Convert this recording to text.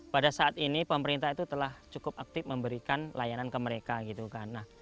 pada saat ini pemerintah itu telah cukup aktif memberikan layanan ke mereka gitu kan